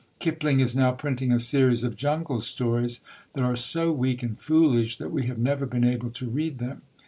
Kipling is now printing a series of Jungle Stories that are so weak and foolish that we have never been able to read them.